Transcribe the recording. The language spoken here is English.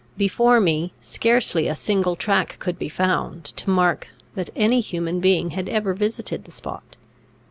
Before me, scarcely a single track could be found, to mark that any human being had ever visited the spot.